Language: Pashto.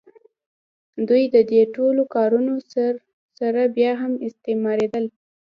دوی د دې ټولو کارونو سره بیا هم استثماریدل.